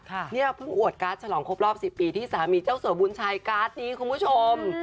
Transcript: เนี่ยเพิ่งอวดการ์ดฉลองครบรอบสิบปีที่สามีเจ้าสัวบุญชัยการ์ดนี้คุณผู้ชม